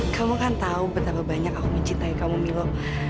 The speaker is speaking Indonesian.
kamu kan tahu betapa banyak aku mencintai kamu milo